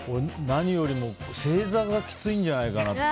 何よりも正座がきついんじゃないかなって。